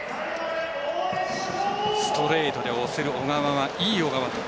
ストレートで押せる小川はいい小川と。